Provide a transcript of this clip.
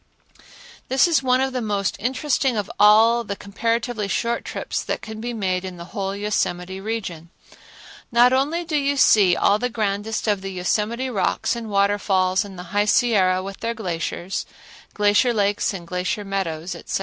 This is one of the most interesting of all the comparatively short trips that can be made in the whole Yosemite region. Not only do you see all the grandest of the Yosemite rocks and waterfalls and the High Sierra with their glaciers, glacier lakes and glacier meadows, etc.